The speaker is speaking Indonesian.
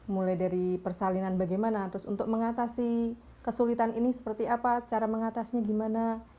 mulai dari persalinan bagaimana terus untuk mengatasi kesulitan ini seperti apa cara mengatasnya gimana